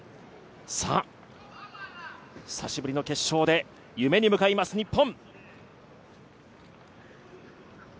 さあ、久しぶりの決勝で夢に向かいます、日本。